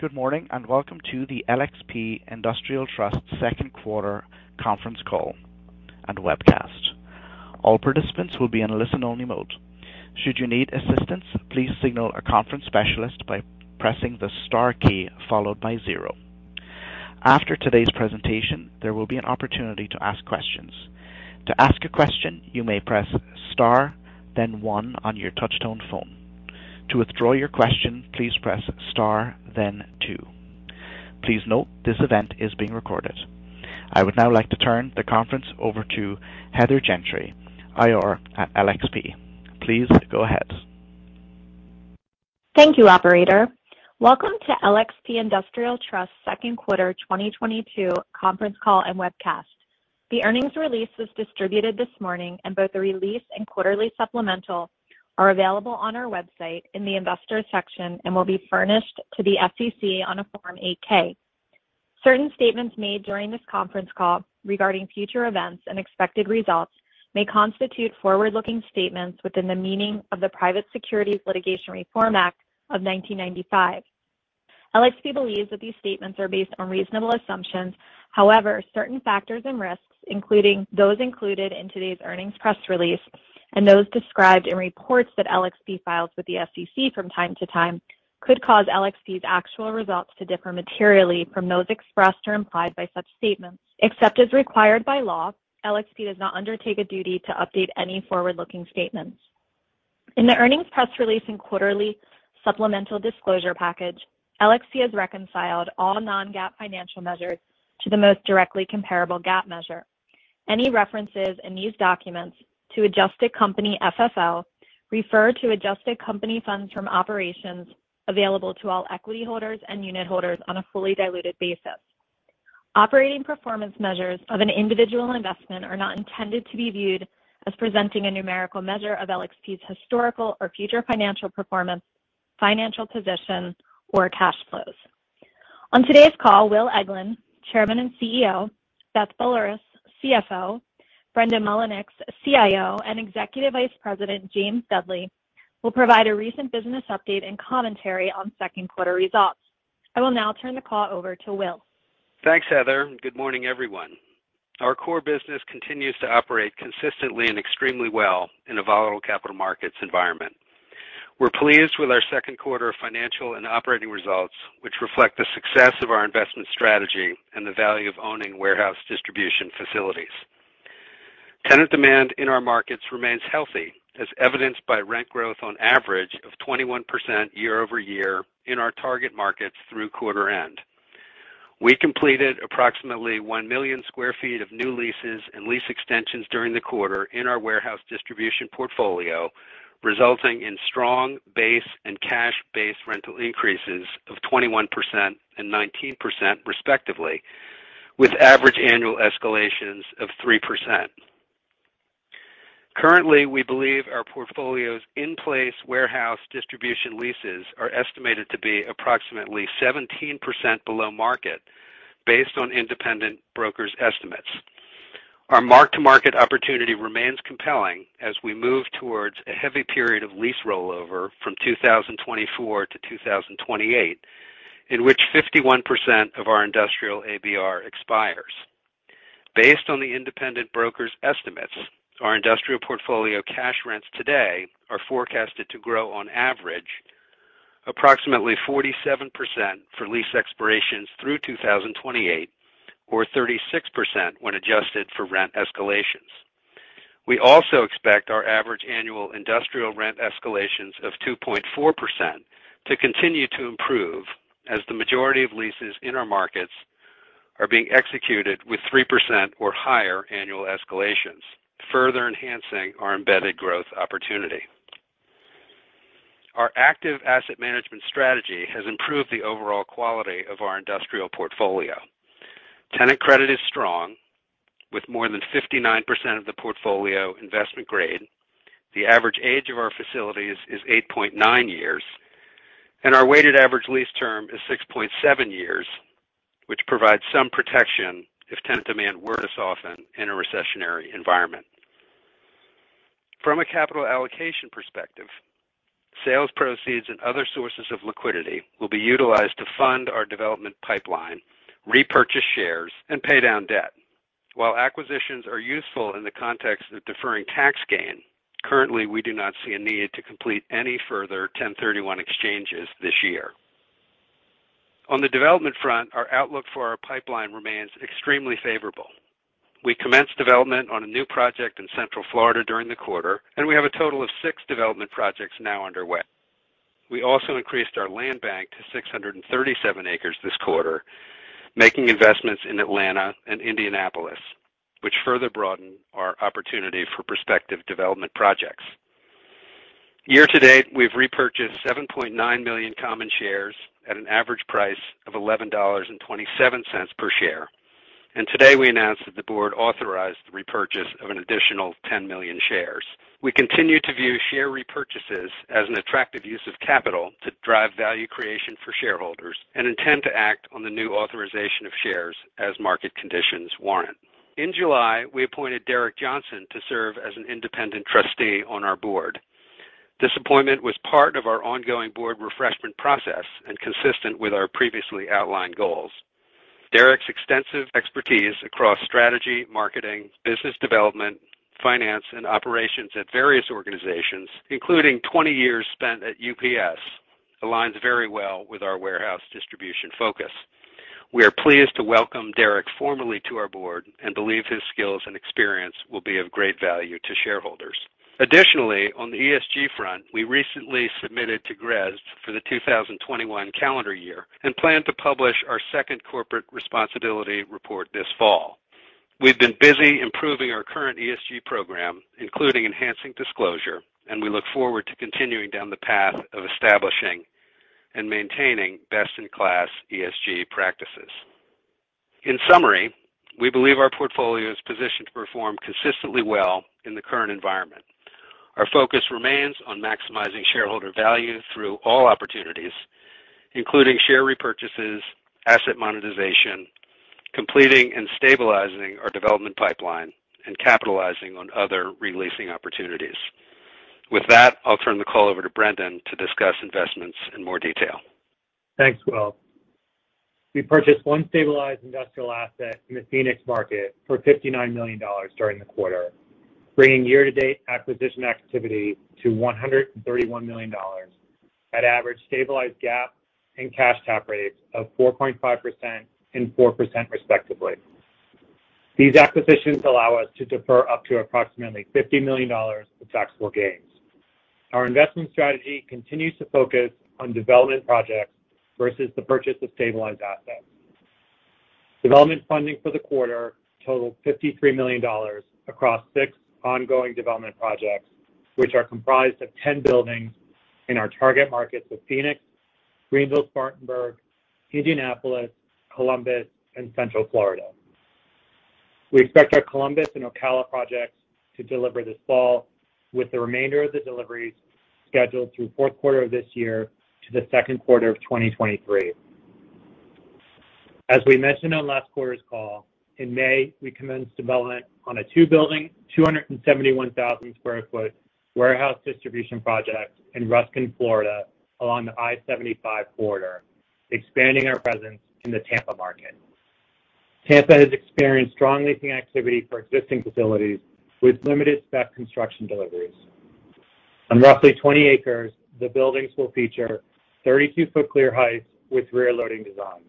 Good morning, and welcome to the LXP Industrial Trust second quarter conference call and webcast. All participants will be in listen-only mode. Should you need assistance, please signal a conference specialist by pressing the star key followed by zero. After today's presentation, there will be an opportunity to ask questions. To ask a question, you may press star, then one on your touchtone phone. To withdraw your question, please press star then two. Please note this event is being recorded. I would now like to turn the conference over to Heather Gentry, IR at LXP. Please go ahead. Thank you, operator. Welcome to LXP Industrial Trust second quarter 2022 conference call and webcast. The earnings release was distributed this morning, and both the release and quarterly supplemental are available on our website in the investor section and will be furnished to the SEC on a Form 8-K. Certain statements made during this conference call regarding future events and expected results may constitute forward-looking statements within the meaning of the Private Securities Litigation Reform Act of 1995. LXP believes that these statements are based on reasonable assumptions. However, certain factors and risks, including those included in today's earnings press release and those described in reports that LXP files with the SEC from time to time could cause LXP's actual results to differ materially from those expressed or implied by such statements. Except as required by law, LXP does not undertake a duty to update any forward-looking statements. In the earnings press release and quarterly supplemental disclosure package, LXP has reconciled all non-GAAP financial measures to the most directly comparable GAAP measure. Any references in these documents to adjusted company FFO refer to adjusted company funds from operations available to all equity holders and unit holders on a fully diluted basis. Operating performance measures of an individual investment are not intended to be viewed as presenting a numerical measure of LXP's historical or future financial performance, financial position, or cash flows. On today's call, T. Wilson Eglin, Chairman and CEO, Beth Boulerice, CFO, Brendan Mullinix, CIO, and Executive Vice President James Dudley will provide a recent business update and commentary on second quarter results. I will now turn the call over to Will. Thanks, Heather, and good morning, everyone. Our core business continues to operate consistently and extremely well in a volatile capital markets environment. We're pleased with our second quarter financial and operating results, which reflect the success of our investment strategy and the value of owning warehouse distribution facilities. Tenant demand in our markets remains healthy, as evidenced by rent growth on average of 21% year-over-year in our target markets through quarter end. We completed approximately 1 million sq ft of new leases and lease extensions during the quarter in our warehouse distribution portfolio, resulting in strong base and cash-based rental increases of 21% and 19% respectively, with average annual escalations of 3%. Currently, we believe our portfolio's in-place warehouse distribution leases are estimated to be approximately 17% below market based on independent brokers' estimates. Our mark-to-market opportunity remains compelling as we move towards a heavy period of lease rollover from 2024 to 2028, in which 51% of our industrial ABR expires. Based on the independent brokers' estimates, our industrial portfolio cash rents today are forecasted to grow on average approximately 47% for lease expirations through 2028 or 36% when adjusted for rent escalations. We also expect our average annual industrial rent escalations of 2.4% to continue to improve as the majority of leases in our markets are being executed with 3% or higher annual escalations, further enhancing our embedded growth opportunity. Our active asset management strategy has improved the overall quality of our industrial portfolio. Tenant credit is strong with more than 59% of the portfolio investment grade. The average age of our facilities is 8.9 years, and our weighted average lease term is 6.7 years, which provides some protection if tenant demand were to soften in a recessionary environment. From a capital allocation perspective, sales proceeds and other sources of liquidity will be utilized to fund our development pipeline, repurchase shares, and pay down debt. While acquisitions are useful in the context of deferring tax gain, currently, we do not see a need to complete any further 1031 exchanges this year. On the development front, our outlook for our pipeline remains extremely favorable. We commenced development on a new project in Central Florida during the quarter, and we have a total of six development projects now underway. We also increased our land bank to 637 acres this quarter, making investments in Atlanta and Indianapolis, which further broaden our opportunity for prospective development projects. Year to date, we've repurchased 7.9 million common shares at an average price of $11.27 per share. Today we announced that the board authorized the repurchase of an additional 10 million shares. We continue to view share repurchases as an attractive use of capital to drive value creation for shareholders and intend to act on the new authorization of shares as market conditions warrant. In July, we appointed Derrick Johnson to serve as an Independent Trustee on our board. This appointment was part of our ongoing board refreshment process and consistent with our previously outlined goals. Derrick's extensive expertise across strategy, marketing, business development, finance, and operations at various organizations, including 20 years spent at UPS, aligns very well with our warehouse distribution focus. We are pleased to welcome Derrick formally to our board, and believe his skills and experience will be of great value to shareholders. Additionally, on the ESG front, we recently submitted to GRESB for the 2021 calendar year and plan to publish our second corporate responsibility report this fall. We've been busy improving our current ESG program, including enhancing disclosure, and we look forward to continuing down the path of establishing and maintaining best-in-class ESG practices. In summary, we believe our portfolio is positioned to perform consistently well in the current environment. Our focus remains on maximizing shareholder value through all opportunities, including share repurchases, asset monetization, completing and stabilizing our development pipeline, and capitalizing on other re-leasing opportunities. With that, I'll turn the call over to Brendan to discuss investments in more detail. Thanks, Will. We purchased one stabilized industrial asset in the Phoenix market for $59 million during the quarter, bringing year-to-date acquisition activity to $131 million at average stabilized GAAP and cash cap rates of 4.5% and 4% respectively. These acquisitions allow us to defer up to approximately $50 million of taxable gains. Our investment strategy continues to focus on development projects versus the purchase of stabilized assets. Development funding for the quarter totaled $53 million across 6 ongoing development projects, which are comprised of 10 buildings in our target markets of Phoenix, Greenville/Spartanburg, Indianapolis, Columbus, and Central Florida. We expect our Columbus and Ocala projects to deliver this fall, with the remainder of the deliveries scheduled through fourth quarter of this year to the second quarter of 2023. As we mentioned on last quarter's call, in May, we commenced development on a two-building, 271,000 sq ft warehouse distribution project in Ruskin, Florida, along the I-75 corridor, expanding our presence in the Tampa market. Tampa has experienced strong leasing activity for existing facilities with limited spec construction deliveries. On roughly 20 acres, the buildings will feature 32-foot clear heights with rear loading designs.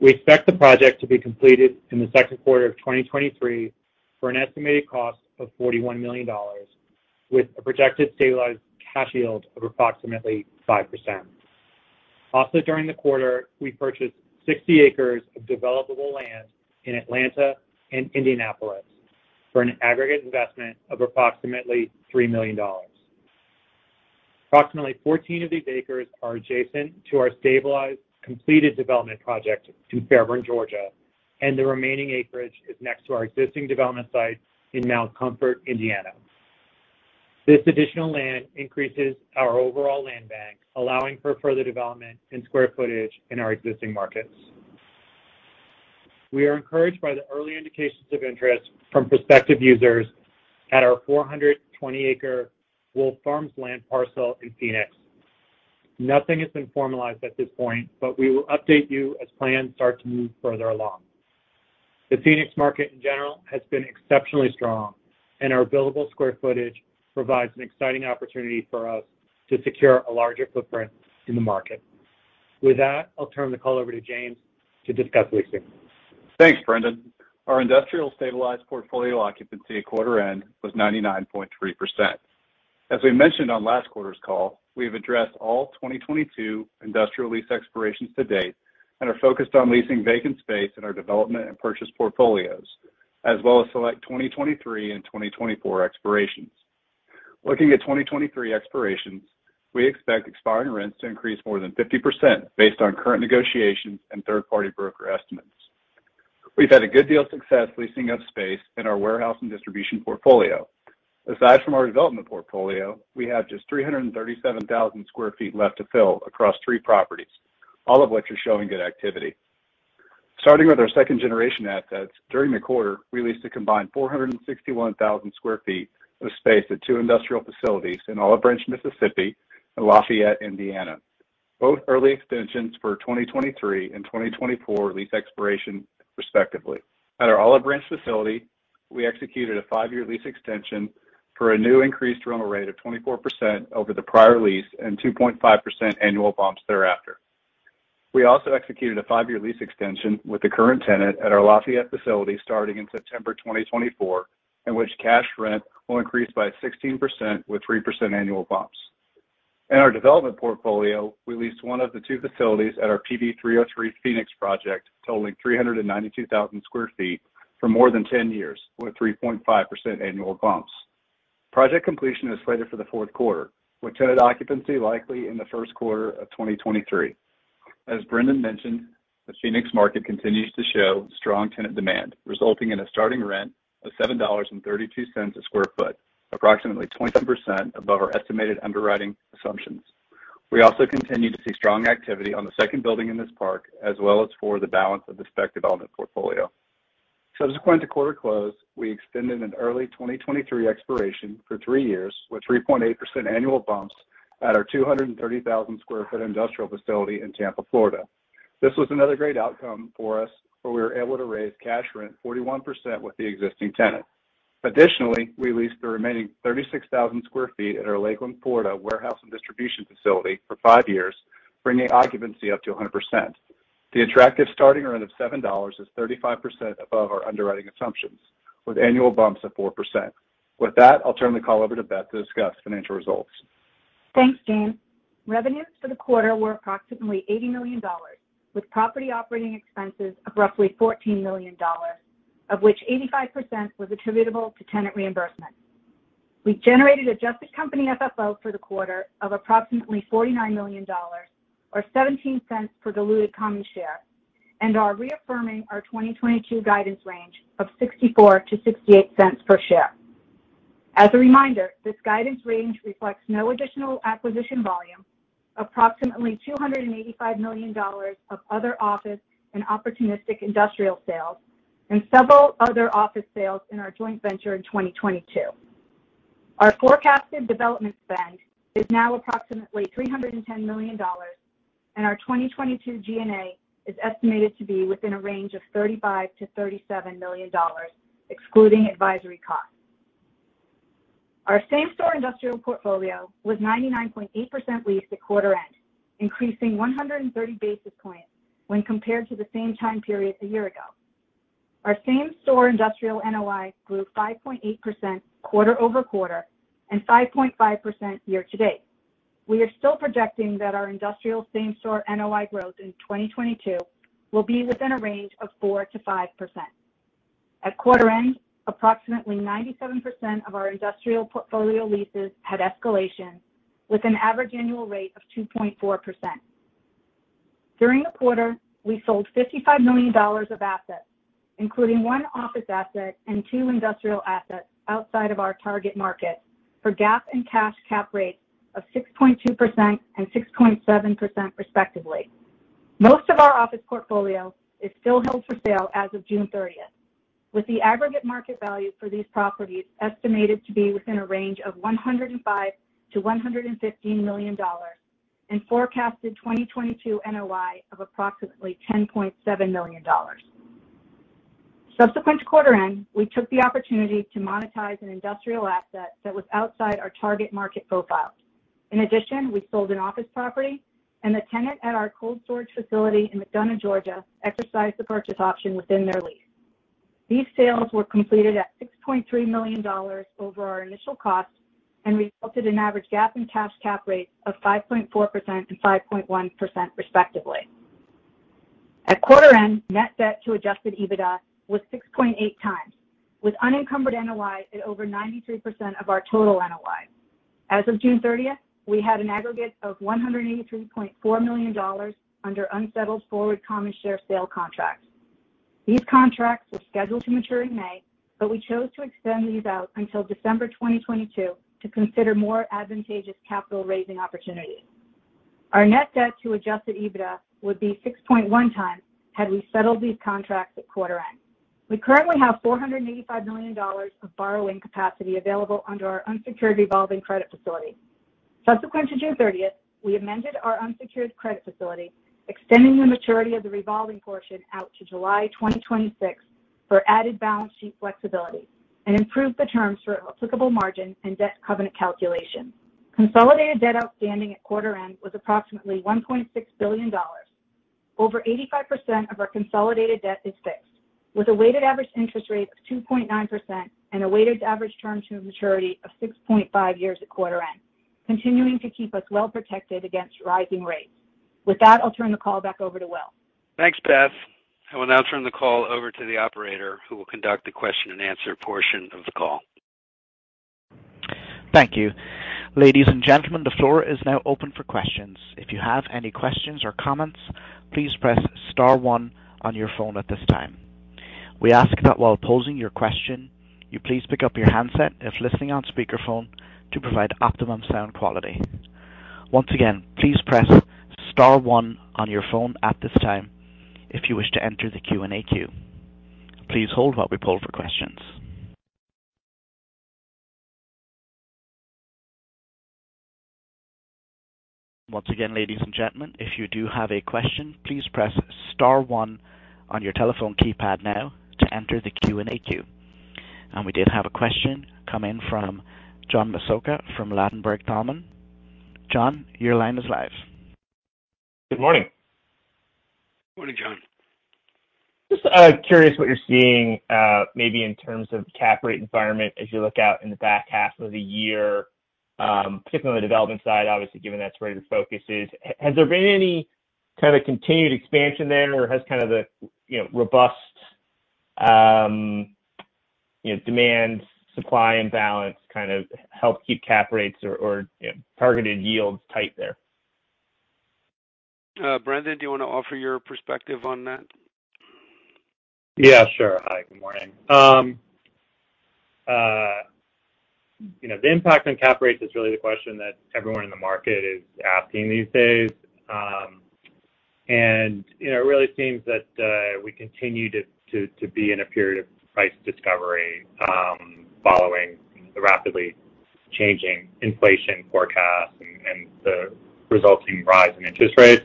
We expect the project to be completed in the second quarter of 2023 for an estimated cost of $41 million with a projected stabilized cash yield of approximately 5%. Also during the quarter, we purchased 60 acres of developable land in Atlanta and Indianapolis for an aggregate investment of approximately $3 million. Approximately 14 of these acres are adjacent to our stabilized completed development project in Fairburn, Georgia, and the remaining acreage is next to our existing development site in Mount Comfort, Indiana. This additional land increases our overall land bank, allowing for further development and square footage in our existing markets. We are encouraged by the early indications of interest from prospective users at our 420-acre Wolf Farms land parcel in Phoenix. Nothing has been formalized at this point, but we will update you as plans start to move further along. The Phoenix market in general has been exceptionally strong, and our buildable square footage provides an exciting opportunity for us to secure a larger footprint in the market. With that, I'll turn the call over to James to discuss leasing. Thanks, Brendan. Our industrial stabilized portfolio occupancy at quarter end was 99.3%. As we mentioned on last quarter's call, we have addressed all 2022 industrial lease expirations to date and are focused on leasing vacant space in our development and purchase portfolios, as well as select 2023 and 2024 expirations. Looking at 2023 expirations, we expect expiring rents to increase more than 50% based on current negotiations and third-party broker estimates. We've had a good deal of success leasing up space in our warehouse and distribution portfolio. Aside from our development portfolio, we have just 337,000 sq ft left to fill across three properties, all of which are showing good activity. Starting with our second generation assets, during the quarter, we leased a combined 461,000 sq ft of space at two industrial facilities in Olive Branch, Mississippi, and Lafayette, Indiana, both early extensions for 2023 and 2024 lease expiration respectively. At our Olive Branch facility, we executed a 5-year lease extension for a new increased rental rate of 24% over the prior lease and 2.5% annual bumps thereafter. We also executed a 5-year lease extension with the current tenant at our Lafayette facility starting in September 2024, in which cash rent will increase by 16% with 3% annual bumps. In our development portfolio, we leased one of the two facilities at our PV 303 Phoenix project totaling 392,000 sq ft for more than 10 years with 3.5% annual bumps. Project completion is slated for the fourth quarter, with tenant occupancy likely in the first quarter of 2023. As Brendan mentioned, the Phoenix market continues to show strong tenant demand, resulting in a starting rent of $7.32/sq ft, approximately 20% above our estimated underwriting assumptions. We also continue to see strong activity on the second building in this park, as well as for the balance of the spec development portfolio. Subsequent to quarter close, we extended an early 2023 expiration for three years with 3.8% annual bumps at our 230,000-sq ft industrial facility in Tampa, Florida. This was another great outcome for us, where we were able to raise cash rent 41% with the existing tenant. Additionally, we leased the remaining 36,000 sq ft at our Lakeland, Florida warehouse and distribution facility for five years, bringing occupancy up to 100%. The attractive starting rent of $7 is 35% above our underwriting assumptions, with annual bumps of 4%. With that, I'll turn the call over to Beth to discuss financial results. Thanks, James Dudley. Revenues for the quarter were approximately $80 million, with property operating expenses of roughly $14 million, of which 85% was attributable to tenant reimbursements. We generated adjusted company FFO for the quarter of approximately $49 million or $0.17 per diluted common share and are reaffirming our 2022 guidance range of $0.64-$0.68 per share. As a reminder, this guidance range reflects no additional acquisition volume, approximately $285 million of other office and opportunistic industrial sales, and several other office sales in our joint venture in 2022. Our forecasted development spend is now approximately $310 million, and our 2022 G&A is estimated to be within a range of $35 million-$37 million, excluding advisory costs. Our same-store industrial portfolio was 99.8% leased at quarter end, increasing 130 basis points when compared to the same time period a year ago. Our same-store industrial NOI grew 5.8% quarter-over- quarter and 5.5% year to date. We are still projecting that our industrial same-store NOI growth in 2022 will be within a range of 4%-5%. At quarter end, approximately 97% of our industrial portfolio leases had escalation with an average annual rate of 2.4%. During the quarter, we sold $55 million of assets, including one office asset and two industrial assets outside of our target market for GAAP and cash cap rates of 6.2% and 6.7% respectively. Most of our office portfolio is still held for sale as of June 30, with the aggregate market value for these properties estimated to be within a range of $105 million-$115 million and forecasted 2022 NOI of approximately $10.7 million. Subsequent to quarter end, we took the opportunity to monetize an industrial asset that was outside our target market profile. In addition, we sold an office property and the tenant at our cold storage facility in McDonough, Georgia, exercised the purchase option within their lease. These sales were completed at $6.3 million over our initial cost and resulted in average GAAP and cash cap rates of 5.4% and 5.1% respectively. At quarter end, net debt to adjusted EBITDA was 6.8x, with unencumbered NOI at over 93% of our total NOI. As of June 30, we had an aggregate of $183.4 million under unsettled forward common share sale contracts. These contracts were scheduled to mature in May, but we chose to extend these out until December 2022 to consider more advantageous capital raising opportunities. Our net debt to adjusted EBITDA would be 6.1x had we settled these contracts at quarter end. We currently have $485 million of borrowing capacity available under our unsecured revolving credit facility. Subsequent to June 30, we amended our unsecured credit facility, extending the maturity of the revolving portion out to July 2026 for added balance sheet flexibility and improved the terms for applicable margin and debt covenant calculation. Consolidated debt outstanding at quarter end was approximately $1.6 billion. Over 85% of our consolidated debt is fixed, with a weighted average interest rate of 2.9% and a weighted average term to maturity of 6.5 years at quarter end, continuing to keep us well protected against rising rates. With that, I'll turn the call back over to Will Eglin. Thanks, Beth. I will now turn the call over to the operator who will conduct the question and answer portion of the call. Thank you. Ladies and gentlemen, the floor is now open for questions. If you have any questions or comments, please press star one on your phone at this time. We ask that while posing your question, you please pick up your handset if listening on speakerphone to provide optimum sound quality. Once again, please press star one on your phone at this time if you wish to enter the Q&A queue. Please hold while we poll for questions. Once again, ladies and gentlemen, if you do have a question, please press star one on your telephone keypad now to enter the Q&A queue. We did have a question come in from John Massocca from Ladenburg Thalmann. John, your line is live. Good morning. Morning, John. Just curious what you're seeing, maybe in terms of cap rate environment as you look out in the back half of the year, particularly on the development side, obviously, given that's where the focus is. Has there been any kind of continued expansion there, or has kind of the, you know, robust, you know, demand supply imbalance kind of helped keep cap rates or, you know, targeted yields tight there? Brendan, do you want to offer your perspective on that? Yeah, sure. Hi, good morning. You know, the impact on cap rates is really the question that everyone in the market is asking these days. You know, it really seems that we continue to be in a period of price discovery, following the rapidly changing inflation forecast and the resulting rise in interest rates.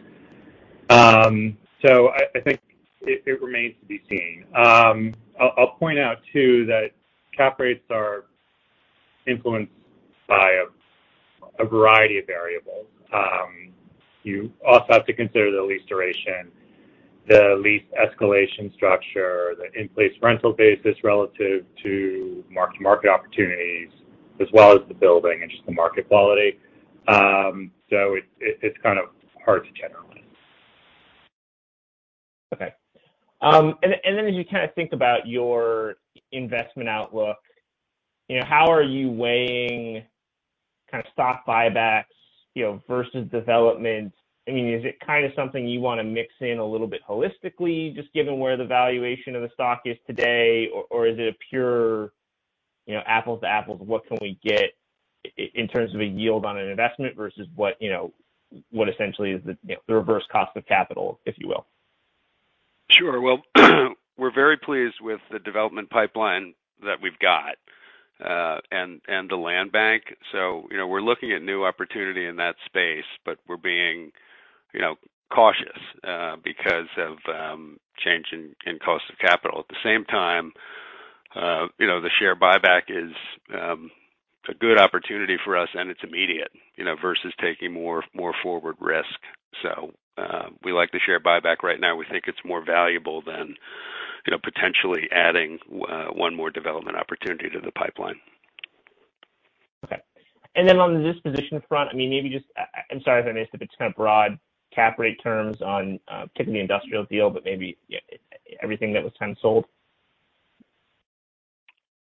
I think it remains to be seen. I'll point out too that cap rates are influenced by a variety of variables. You also have to consider the lease duration, the lease escalation structure, the in-place rental basis relative to market opportunities, as well as the building and just the market quality. It's kind of hard to generalize. Okay. As you kind of think about your investment outlook, you know, how are you weighing kind of stock buybacks, you know, versus development? I mean, is it kind of something you wanna mix in a little bit holistically, just given where the valuation of the stock is today or is it a pure, you know, apples to apples, what can we get in terms of a yield on an investment versus what, you know, what essentially is the, you know, the reverse cost of capital, if you will? Sure. Well, we're very pleased with the development pipeline that we've got, and the land bank. You know, we're looking at new opportunity in that space, but we're being, you know, cautious, because of change in cost of capital. At the same time, you know, the share buyback is a good opportunity for us, and it's immediate, you know, versus taking more forward risk. We like the share buyback right now. We think it's more valuable than, you know, potentially adding one more development opportunity to the pipeline. Okay. On the disposition front, I mean, maybe just, I'm sorry if I missed, if it's kind of broad cap rate terms on, particularly industrial deal, but maybe, yeah, everything that was kind of sold.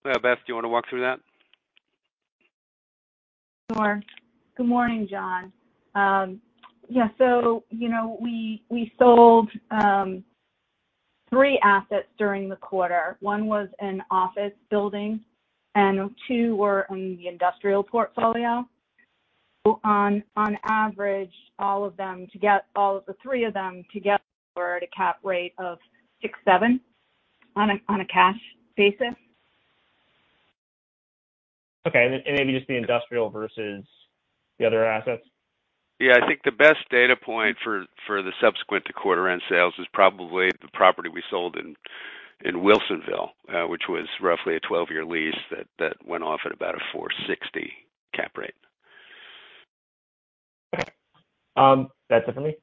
Yeah. Beth, do you wanna walk through that? Sure. Good morning, John. You know, we sold three assets during the quarter. One was an office building, and two were in the industrial portfolio. On average, all of the three of them together were at a cap rate of 6.7 on a cash basis. Okay. Maybe just the industrial versus the other assets. Yeah. I think the best data point for the subsequent to quarter end sales is probably the property we sold in Wilsonville, which was roughly a 12-year lease that went off at about a 4.60% cap rate. Okay. That's it for me.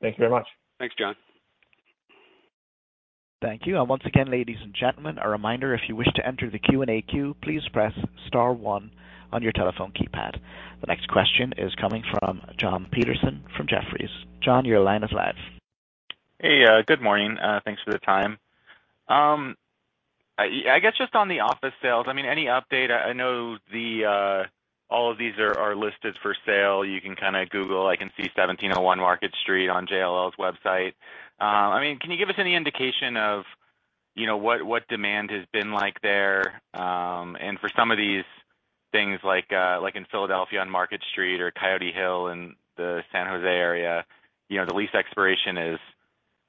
Thank you very much. Thanks, John. Thank you. Once again, ladies and gentlemen, a reminder if you wish to enter the Q&A queue, please press star one on your telephone keypad. The next question is coming from Jon Petersen from Jefferies. Jon, your line is live. Hey. Good morning. Thanks for the time. I guess just on the office sales, I mean, any update? I know that all of these are listed for sale. You can kind of Google. I can see 1701 Market Street on JLL's website. I mean, can you give us any indication of, you know, what demand has been like there? For some of these things like in Philadelphia on Market Street or Coyote Valley in the San Jose area, you know, the lease expiration is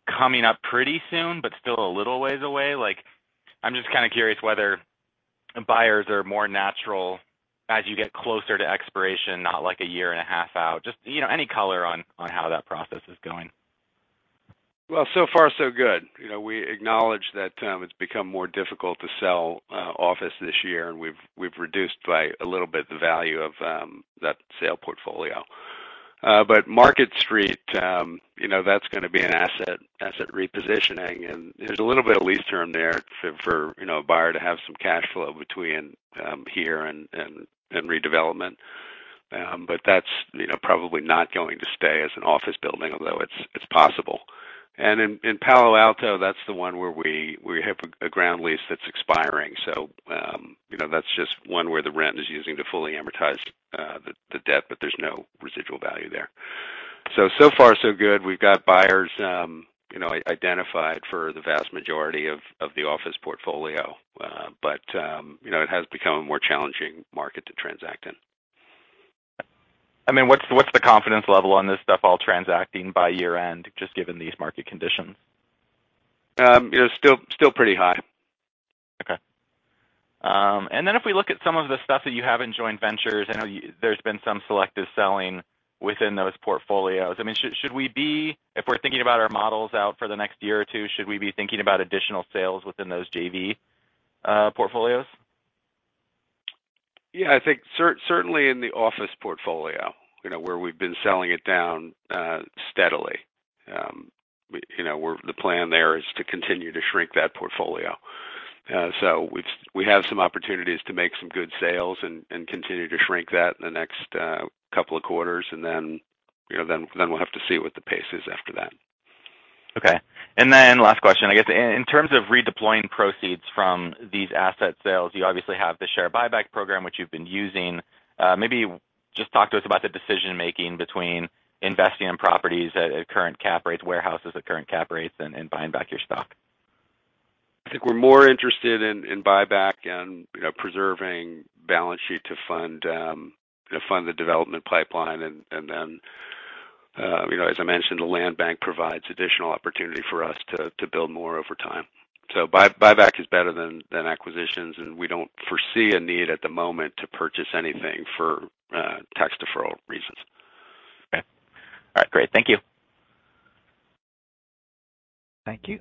coming up pretty soon, but still a little ways away. Like, I'm just kind of curious whether buyers are more national as you get closer to expiration, not like a year and a half out. Just, you know, any color on how that process is going. Well, so far so good. You know, we acknowledge that it's become more difficult to sell office this year, and we've reduced by a little bit the value of that sale portfolio. Market Street, you know, that's gonna be an asset repositioning, and there's a little bit of lease term there for you know, a buyer to have some cash flow between here and redevelopment. But that's you know, probably not going to stay as an office building, although it's possible. In Palo Alto, that's the one where we have a ground lease that's expiring. You know, that's just one where the rent is used to fully amortize the debt, but there's no residual value there. So far so good. We've got buyers, you know, identified for the vast majority of the office portfolio. It has become a more challenging market to transact in. I mean, what's the confidence level on this stuff all transacting by year-end, just given these market conditions? You know, still pretty high. Okay. If we look at some of the stuff that you have in joint ventures, I know there's been some selective selling within those portfolios. I mean, if we're thinking about our models out for the next year or two, should we be thinking about additional sales within those JV portfolios? Yeah. I think certainly in the office portfolio, you know, where we've been selling it down steadily. You know, the plan there is to continue to shrink that portfolio. So we have some opportunities to make some good sales and continue to shrink that in the next couple of quarters. Then, you know, then we'll have to see what the pace is after that. Okay. Last question. I guess in terms of redeploying proceeds from these asset sales, you obviously have the share buyback program, which you've been using. Maybe just talk to us about the decision-making between investing in properties at current cap rates, warehouses at current cap rates and buying back your stock. I think we're more interested in buyback and, you know, preserving balance sheet to fund the development pipeline. You know, as I mentioned, the land bank provides additional opportunity for us to build more over time. Buyback is better than acquisitions, and we don't foresee a need at the moment to purchase anything for tax deferral reasons. Okay. All right, great. Thank you. Thank you.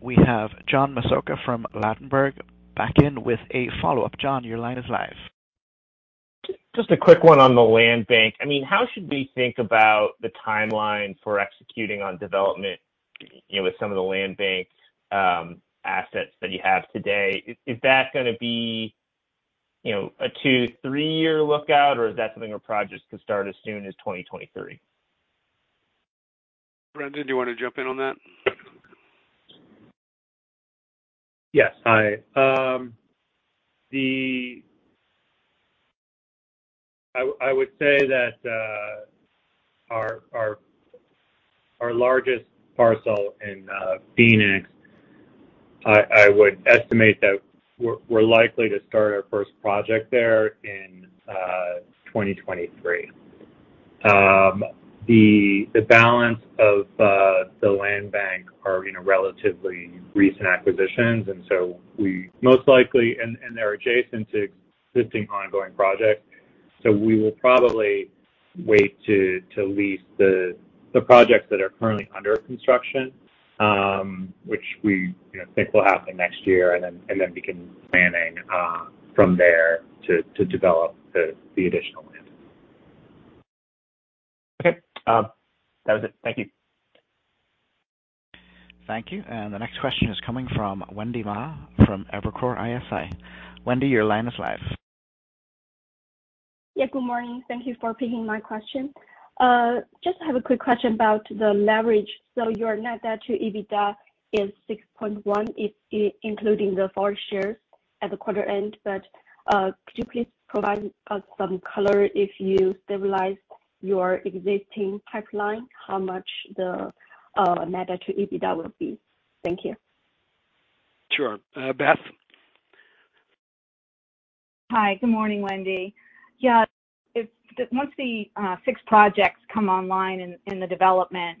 We have John Massocca from Ladenburg Thalmann back in with a follow-up. John, your line is live. Just a quick one on the land bank. I mean, how should we think about the timeline for executing on development, you know, with some of the land bank assets that you have today? Is that gonna be, you know, a two-, three-year outlook, or is that something where projects could start as soon as 2023? Brendan, do you wanna jump in on that? Yes. Hi. I would say that our largest parcel in Phoenix, I would estimate that we're likely to start our first project there in 2023. The balance of the land bank are, you know, relatively recent acquisitions, and so we most likely, and they're adjacent to existing ongoing projects. We will probably wait to lease the projects that are currently under construction, which we, you know, think will happen next year, and then begin planning from there to develop the additional land. Okay. That was it. Thank you. Thank you. The next question is coming from Wendy Ma from Evercore ISI. Wendy, your line is live. Yeah. Good morning. Thank you for taking my question. Just have a quick question about the leverage. Your net debt to EBITDA is 6.1, it's including the 4 shares at the quarter end. Could you please provide us some color if you stabilize your existing pipeline, how much the net debt to EBITDA would be? Thank you. Sure. Beth? Hi. Good morning, Wendy. Yeah. Once the six projects come online in the development,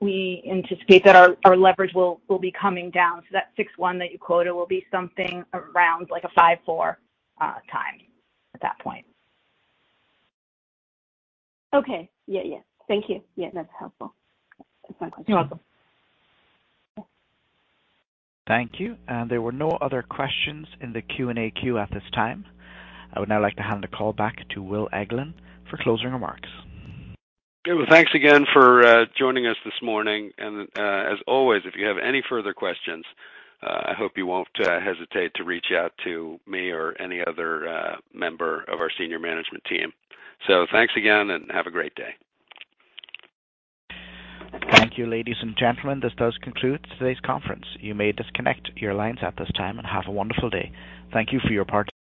we anticipate that our leverage will be coming down. That 6.1 that you quoted will be something around like a 5.4x at that point. Okay. Yeah. Thank you. Yeah, that's helpful. That's my question. You're welcome. Thank you. There were no other questions in the Q&A queue at this time. I would now like to hand the call back to Will Eglin for closing remarks. Okay. Well, thanks again for joining us this morning. As always, if you have any further questions, I hope you won't hesitate to reach out to me or any other member of our senior management team. Thanks again, and have a great day. Thank you, ladies and gentlemen. This does conclude today's conference. You may disconnect your lines at this time, and have a wonderful day. Thank you for your participation.